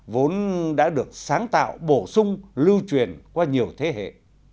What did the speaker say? vốn đã được sáng tạo bổ sung lưu truyền qua nhiều thế hệ